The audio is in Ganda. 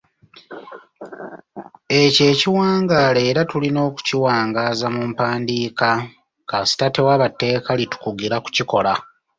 Ekyo ekiwangaala era tulina okukiwangaaza mu mpandiika, kasita tewaba tteeka litukugira kukikola.